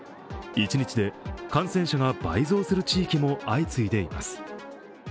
一日で感染者が倍増する地域も相次いでいます。